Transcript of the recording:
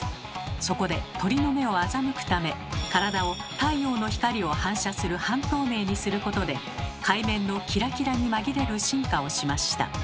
そこで鳥の目を欺くため体を太陽の光を反射する半透明にすることで海面のキラキラに紛れる進化をしました。